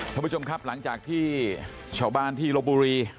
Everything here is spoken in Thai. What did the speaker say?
ท่านผู้ชมครับหลังจากที่ชาวบ้านที่ลบบุรี